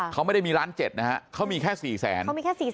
เขาไม่ได้มีล้าน๗นะฮะเขามีแค่๔แสน